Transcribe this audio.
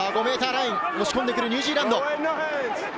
５ｍライン、押し込んでくるニュージーランド。